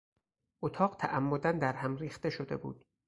اتاق تعمدا در هم ریخته شده بود.